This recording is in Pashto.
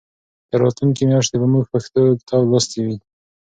تر راتلونکې میاشتې به موږ پښتو کتاب لوستی وي.